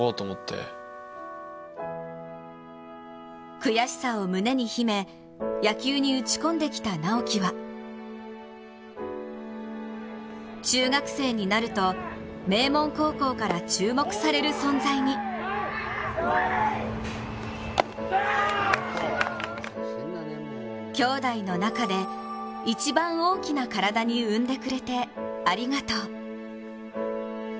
悔しさを胸に秘め野球に打ち込んできた直喜は中学生になると名門高校から注目される存在にきょうだいの中で一番大きな体に産んでくれてありがとう。